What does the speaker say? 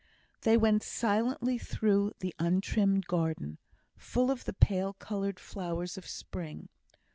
They went silently through the untrimmed garden, full of the pale coloured flowers of spring.